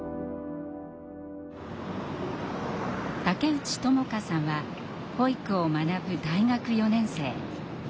竹内智香さんは保育を学ぶ大学４年生。